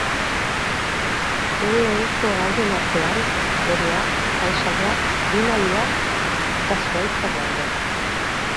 Bere ohiko gaien artean, loreak, paisaiak, animaliak eta zuhaitzak daude.